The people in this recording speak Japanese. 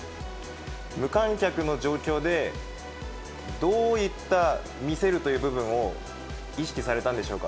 無観客の状況で、どういった見せるという部分を、意識されたんでしょうか？